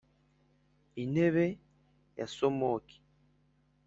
intebe ya somuki,